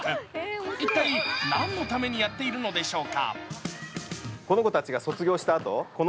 一体、何のためにやっているのでしょうか？